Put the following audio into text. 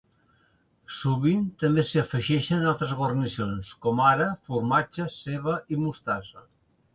Sovint també s'hi afegeixen altres guarnicions, com ara formatge, ceba i mostassa.